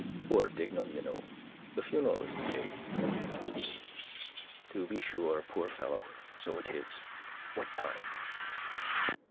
Poor Dignam, you know. The funeral is today. —To be sure, poor fellow. So it is. What time?